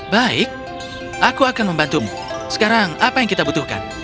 baik aku akan membantumu sekarang apa yang kita butuhkan